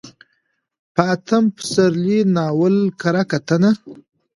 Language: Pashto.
په اتم پسرلي ناول کره کتنه: